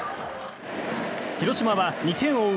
広島は２点を追う